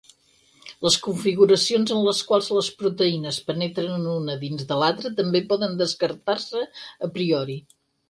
Les configuracions en les quals les proteïnes penetren una dins de l'altra també poden descartar-se "a priori".